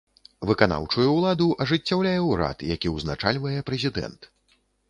Выканаўчую ўладу ажыццяўляе ўрад, які ўзначальвае прэзідэнт.